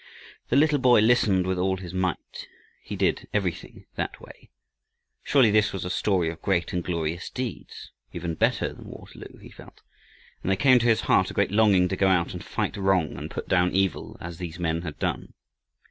The little boy listened with all his might. He did everything that way. Surely this was a story of great and glorious deeds, even better than Waterloo, he felt. And there came to his heart a great longing to go out and fight wrong and put down evil as these men had done.